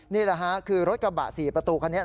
นี่แหละฮะคือรถกระบะ๔ประตูคันนี้